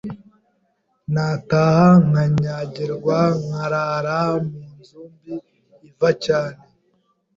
nataha nkanyagirwa, nkarara mu nzu mbi iva cyane